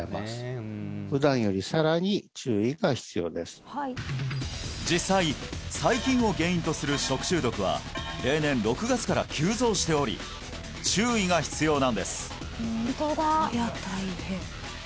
しかも実際細菌を原因とする食中毒は例年６月から急増しており注意が必要なんです